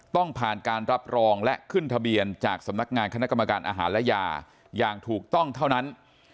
ต้องผ่านการรับรองและขึ้นทะเบียนจากสำนักงานคณะกรรมการอาหารและยาอย่างถูกต้องเท่านั้น